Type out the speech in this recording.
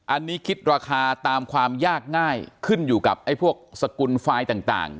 อันนี้คิดราคาตามความยากง่ายขึ้นอยู่กับไอ้พวกสกุลไฟล์ต่าง